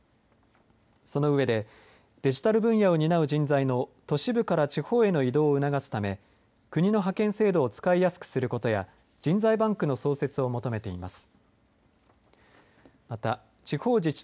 その上でデジタル分野を担う人材の都市部から地方への移動を促すため、国の派遣制度を国の派遣制度を使いやすくすることや人材バンクの創設を求めています。